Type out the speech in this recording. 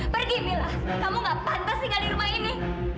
pergi mila kamu gak pantas tinggal di rumah ini